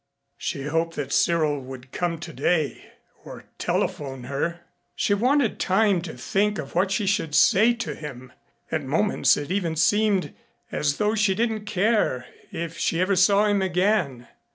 She hoped that Cyril wouldn't come today or telephone her. She wanted time to think of what she should say to him. At moments it even seemed as though she didn't care if she ever saw him again.